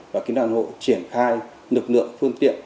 và kinh đoàn hộ triển khai lực lượng phương tiện